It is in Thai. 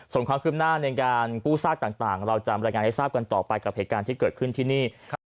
ส่วนความคืบหน้าในการกู้ซากต่างเราจะรายงานให้ทราบกันต่อไปกับเหตุการณ์ที่เกิดขึ้นที่นี่